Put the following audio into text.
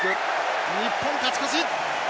日本、勝ち越し！